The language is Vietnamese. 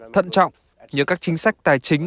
thận trọng như các chính sách tài chính